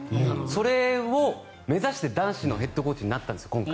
それを目指して、今回男子のヘッドコーチになったんです。